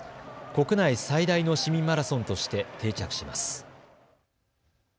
国内最大の市民マラソンとして定着します。